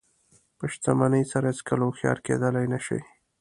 په شتمنۍ سره هېڅکله هوښیار کېدلی نه شئ.